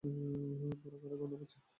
পোড়া কাঠের গন্ধ পাচ্ছি।